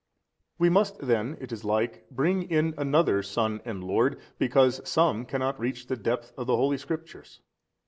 A. We must then (it is like) bring in another son and lord, because some cannot reach the depth of the holy Scriptures.